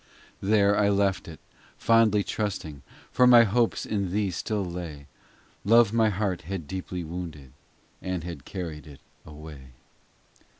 IV There I left it ; fondly trusting, For my hopes in thee still lay. Love my heart had deeply wounded, And had carried it away.